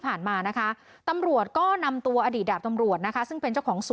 วันตอน๓ทุ่มเดี๋ยวโทรไปเป็นไง